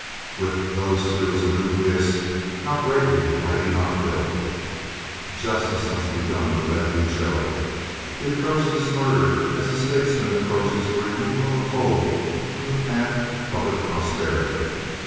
With those two as a nucleus, how greatly might he not build! Justice must be done to Lefty Joe. He approached this murder as a statesman approaches the removal of a foe from the path of public prosperity.